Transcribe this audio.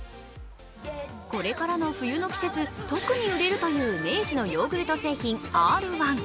これからの冬の季節、特に売れるという明治のヨーグルト製品Ｒ−１。